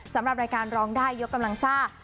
สำหรับรายการร้องได้ยกกำลังซ่า